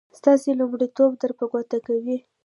ستاسې لومړيتوبونه در په ګوته کوي.